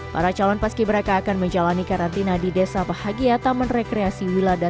para calon paski beraka akan menjalani karantina di desa bahagia taman rekreasi wilada